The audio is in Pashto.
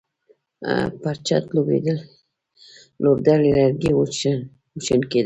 پر چت لوېدلي لرګي وچونګېدل.